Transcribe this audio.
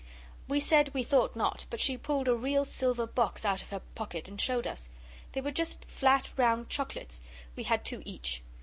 We said we thought not, but she pulled a real silver box out of her pocket and showed us; they were just flat, round chocolates. We had two each.